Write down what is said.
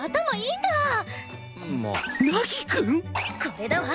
これだわ！